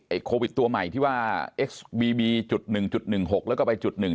ไอ้ไอ้โควิดตัวใหม่ที่ว่าเอ็กซบีบีจุดหนึ่งจุดหนึ่งหกแล้วก็ไปจุดหนึ่ง